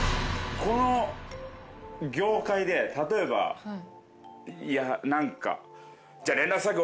この業界で例えば何か。